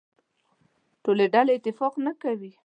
ټولې ډلې اتفاق نه کوي.